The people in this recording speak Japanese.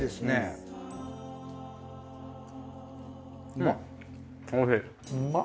うまっ。